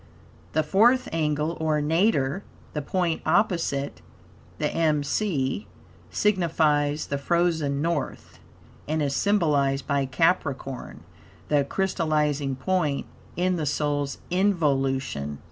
The fourth angle, or Nadir, the point opposite the M. C., signifies the frozen North, and is symbolized by Capricorn, the crystallizing point in the soul's involution.